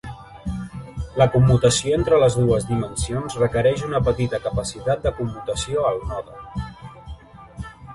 La commutació entre les dues dimensions requereix una petita capacitat de commutació al node.